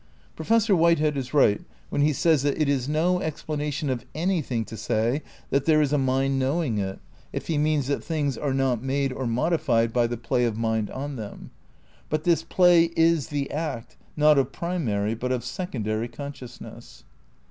Professor "Whitehead is right when he says that it is no explanation of anything to say that "there is a mind knowing it," if he means that things are not INTRODUCTION ix made or modified by the play of mind on them. But this play is the act, not of primary but of secondary consciousness.